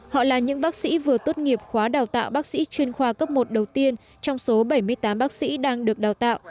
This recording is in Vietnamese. họ là những bác sĩ vừa tốt nghiệp khóa đào tạo bác sĩ chuyên khoa cấp một đầu tiên trong số bảy mươi tám bác sĩ đang được đào tạo